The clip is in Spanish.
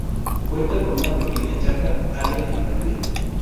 Cuenta con una pequeña charca, área infantil.